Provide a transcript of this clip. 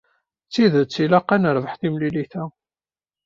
D tidet ilaq ad nerbeḥ timlilit-a.